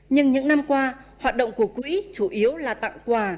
nhưng những năm qua hoạt động của quỹ chủ yếu là tặng quà